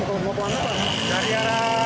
oh arah ke masuk dalam